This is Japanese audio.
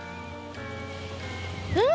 うん！